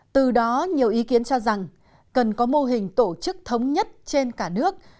từ đó nhiều ý kiến cho rằng cần có mô hình tổ chức thống nhất trên cả nước